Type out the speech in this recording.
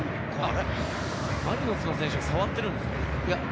マリノスの選手が触っているんですか？